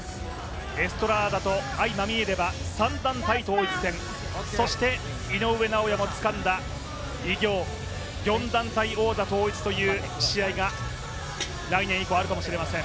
エストラーダと相まみえればそして井上尚弥もつかんだ偉業、４団体王座統一という試合が来年以降、あるかもしれません。